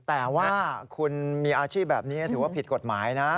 แต่ว่าคุณมีอาชีพแบบนี้ถือว่าผิดกฎหมายนะ